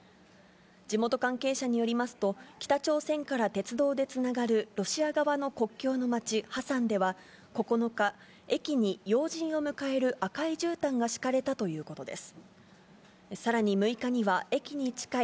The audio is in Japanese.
地元関係者によりますと、北朝鮮から鉄道でつながるロシア側の国境の街・ハサンでは、９日、駅に要人を迎える赤いじゅうたんが敷かれたということです。